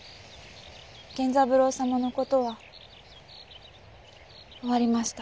源三郎様の事は終わりました。